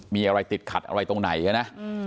มีอะไรติดขัดอะไรตรงไหนนะ